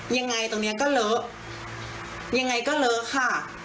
ยังไงตรงนี้ก็เลอะยังไงก็เลอะค่ะ